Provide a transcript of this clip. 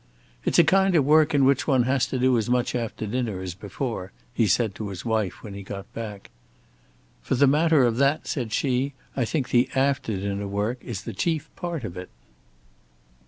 "It's a kind of work in which one has to do as much after dinner as before," he said to his wife when he got back. "For the matter of that," said she, "I think the after dinner work is the chief part of it."